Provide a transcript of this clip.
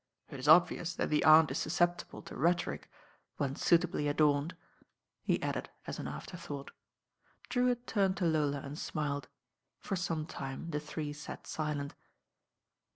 It is obvioui that the Aunt is suKeptible t rhetorio— when suitably adorned," he added as a afterthought. Drewitt turned to Lola and smiled. For som time the three sat silent.